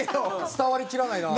伝わりきらないな。